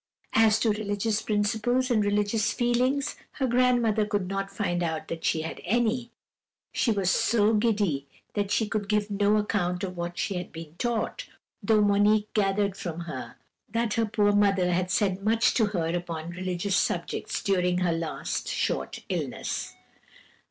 As to religious principles and religious feelings, her grandmother could not find out that she had any. She was so giddy that she could give no account of what she had been taught, though Monique gathered from her that her poor mother had said much to her upon religious subjects during her last short illness.